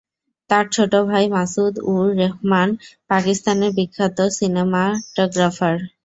তার ছোট ভাই মাসুদ-উর-রেহমান পাকিস্তানের বিখ্যাত সিনেমাটগ্রাফার।